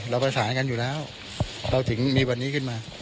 เราประสานกันอยู่แล้วเราถึงมีวันนี้ขึ้นมา